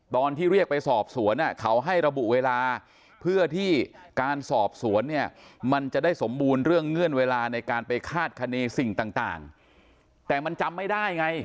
ตอนที่เรียกไปสอบสวนเขาให้ระบุเวลาเพื่อที่การสอบสวนเนี่ยมันจะได้สมบูรณ์เรื่องเงื่อนเวลาในการไปคาดคณีสิ่งต่างแต่มันจำไม่ได้ไง